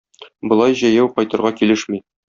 Болай җәяү кайтырга килешми.